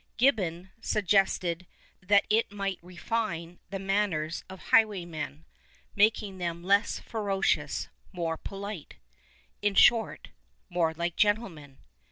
Gibbon suggested that it might refine the nuumers of highwaymen, " making them less ferocious, more ix)litc — in short, more like gentlenun."